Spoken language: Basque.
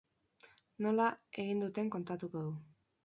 Nola egin duten kontatuko du.